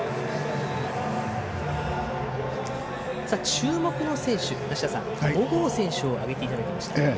注目の選手、梨田さんは小郷選手を挙げていただきました。